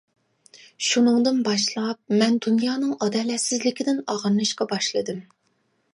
شۇنىڭدىن باشلاپ، مەن دۇنيانىڭ ئادالەتسىزلىكىدىن ئاغرىنىشقا باشلىدىم.